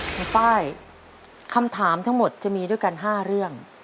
ในป้ายคำถามทั้งหมดจะมีด้วยกัน๕เรื่อง